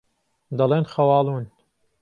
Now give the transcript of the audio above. دەڵێن خەواڵوون.